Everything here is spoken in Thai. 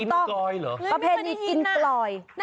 กินกลอยเหรอประเพณีกินกลอย